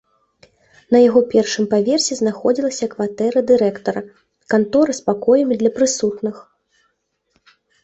На яго першым паверсе знаходзілася кватэра дырэктара, кантора з пакоямі для прысутных.